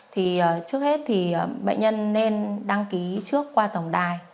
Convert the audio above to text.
thì trước hết thì bệnh nhân nên đăng ký trước qua tổng đài